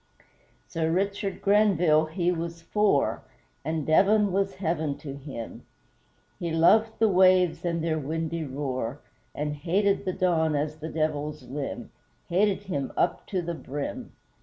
Sir RICHARD GRENVILLE, he was FOUR And Devon was heaven to him, He loved the waves and their windy roar And hated the Don as the Devil's limb Hated him up to the brim!